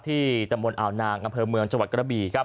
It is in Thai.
ที่ตำบลอาวนางอำเภอเมืองจวดกระบีครับ